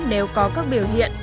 nếu có các biểu hiện